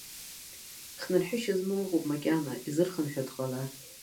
Хнырҳәышьа змоу ыҟоуп макьана, изырхынҳәуа дҟалар.